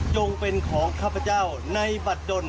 งเป็นของข้าพเจ้าในบัตรดน